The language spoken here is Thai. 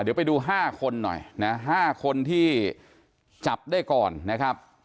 เดี๋ยวไปดู๕คนหน่อยนะ๕คนที่จับได้ก่อนนะครับ